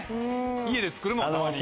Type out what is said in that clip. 家で作るもんたまに。